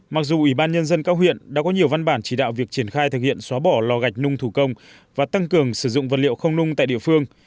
mặc dù ủy ban nhân dân các huyện đã có nhiều văn bản chỉ đạo việc triển khai thực hiện xóa bỏ lò gạch nung thủ công và tăng cường sử dụng vật liệu không nung tại địa phương